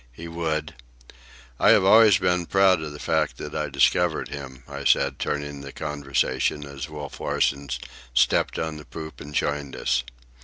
He would—I have always been proud of the fact that I discovered him," I said, turning the conversation as Wolf Larsen stepped on the poop and joined us.